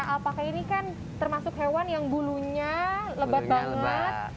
apakah ini kan termasuk hewan yang bulunya lebat banget